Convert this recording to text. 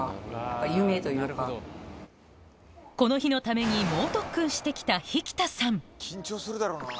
この日のためにしてきた疋田さん